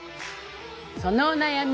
そのお悩み